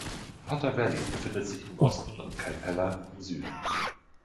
Potter Valley befindet sich im Osten und Calpella im Süden.